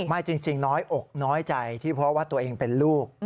ไม่จริงน้อยอกน้อยใจที่เพราะว่าตัวเองเป็นลูก